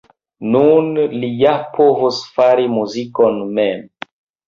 Nun li ja povos fari muzikon mem.